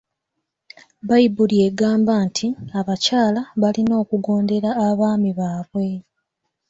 Bayibuli egamba nti abakyala balina okugondera abaami baabwe.